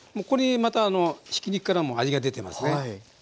これまたひき肉からも味が出てますね。